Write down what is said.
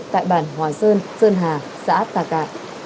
tại bản hòa sơn sơn hà xã tà cạ